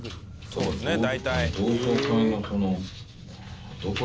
「そうですね大体」